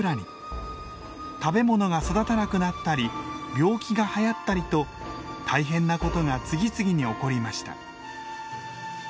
食べ物が育たなくなったり病気がはやったりと大変なことが次々に起こりました。